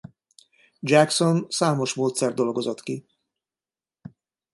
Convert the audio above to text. Jackson számos módszert dolgozott ki.